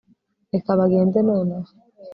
reka bagende nonaha